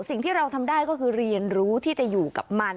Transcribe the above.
สิ่งที่เราทำได้ก็คือเรียนรู้ที่จะอยู่กับมัน